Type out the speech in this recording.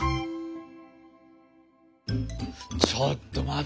ちょっと待ってよ